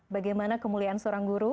bagaimana kemuliaan seorang guru